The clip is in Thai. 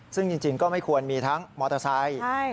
ซึ่งจริงก็ไม่ควรมีทั้งมอเตอร์ไซค์